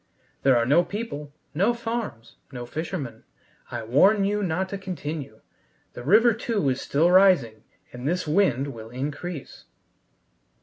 There are no people, no farms, no fishermen. I warn you not to continue. The river, too, is still rising, and this wind will increase."